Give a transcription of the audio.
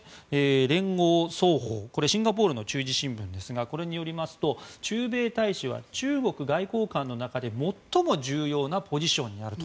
連合早報、これはシンガポールの中字新聞ですがこれによりますと駐米大使は中国外交官の中で最も重要なポジションになると。